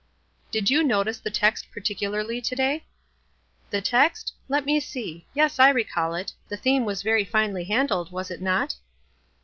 " Did you notice the text particularly, to day?" "The text? Let me see. Yes, 1 recall it. The theme was very finely handled, was it not?"